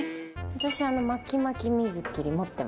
私巻き巻き水切り持ってます。